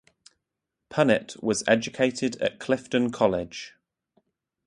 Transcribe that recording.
Punnett was educated at Clifton College.